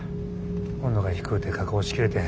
温度が低うて加工しきれてへん。